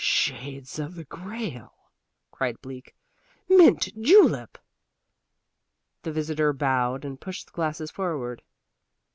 "Shades of the Grail!" cried Bleak. "Mint julep!" The visitor bowed and pushed the glasses forward.